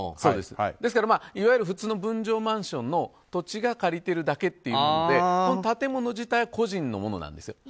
ですから、いわゆる普通の分譲マンションの、土地が借りているだけっていうのでこの建物自体は個人のものなんです。